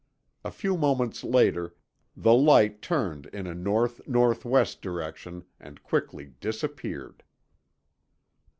A few moments later, the light turned in a north northwest direction and quickly disappeared.